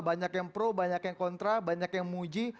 banyak yang pro banyak yang kontra banyak yang muji